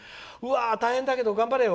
大変だけど頑張れよ。